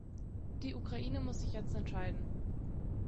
Die Ukraine muss sich jetzt entscheiden.